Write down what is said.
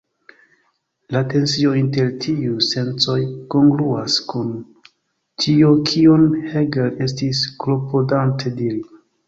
La tensio inter tiuj sencoj kongruas kun tio kion Hegel estis klopodante diri.